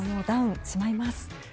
ダウン、しまいます。